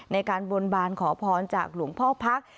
ในการบนบานขอพรจากหลวงพ่อพัก